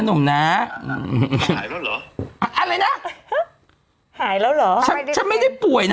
หนุ่มนะหายแล้วเหรออะไรนะหายแล้วเหรอฉันฉันไม่ได้ป่วยนะ